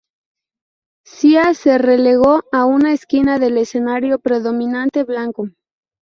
Sia se relegó a una esquina del escenario predominantemente blanco.